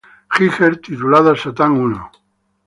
Giger titulada "Satan I".